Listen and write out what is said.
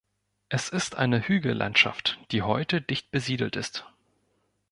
Es ist eine Hügellandschaft, die heute dicht besiedelt ist.